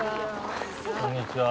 こんにちは。